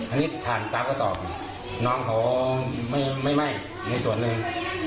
อันนี้ผ่าน๓กระสอบน้องเขาไม่ไหม้ในส่วนหนึ่ง